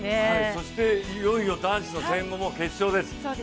そしていよいよ男子の１５００ｍ、決勝です。